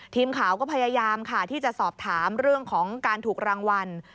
ทีมข่าวก็พยายามค่ะที่จะสอบถามเรื่องของการถูกรางวัล